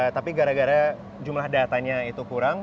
tapi gara gara jumlah datanya itu kurang